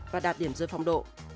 và đạt điểm dưới phong độ